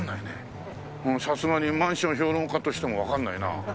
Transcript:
さすがにマンション評論家としてもわかんないな。